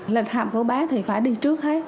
lịch học của bá thì phải đi trước hết